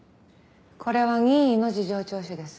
これは任意の事情聴取です。